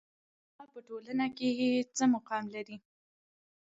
علما په ټولنه کې څه مقام لري؟